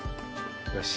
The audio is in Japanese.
よし。